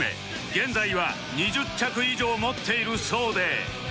現在は２０着以上持っているそうで